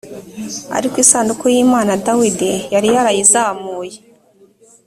ariko isanduku y imana dawidi yari yarayizamuye